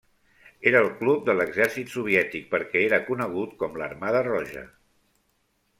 Era el club de l'exèrcit soviètic perquè era conegut com l'armada roja.